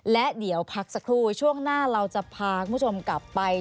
และเดี๋ยวพักสักครู่ช่วงหน้าเราจะพาคุณผู้ชมกลับไป